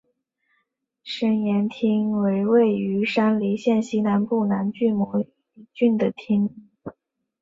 身延町为位于山梨县西南部南巨摩郡的町。